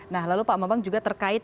nah lalu pak bambang juga terkait